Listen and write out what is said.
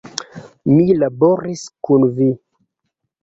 Mi laboris kun vi!